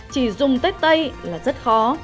chỉ dùng tết tây là rất khó